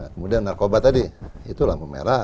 kemudian narkoba tadi itu lampu merah